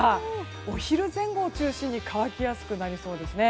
お昼前後を中心に乾きやすくなりそうですね。